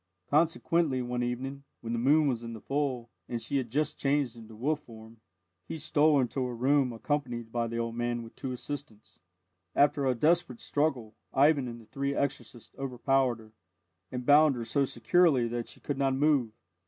Consequently, one evening, when the moon was in the full, and she had just changed into wolf form, he stole into her room accompanied by the old man and two assistants. After a desperate struggle, Ivan and the three exorcists overpowered her, and bound her so securely that she could not move.